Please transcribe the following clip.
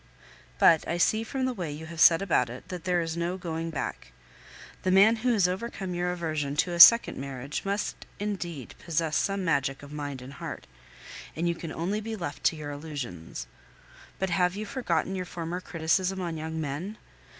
But I see from the way you have set about it that there is no going back. The man who has overcome your aversion to a second marriage must indeed possess some magic of mind and heart; and you can only be left to your illusions. But have you forgotten your former criticism on young men?